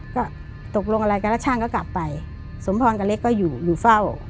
ก็ตกลงอะไรกันแล้วช่างก็กลับไปสมพรกับเล็กก็อยู่อยู่เฝ้า